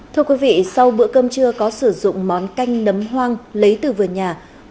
thưa quý vị sau bữa cơm chưa có sử dụng món canh nấm hoang lấy từ vườn nhà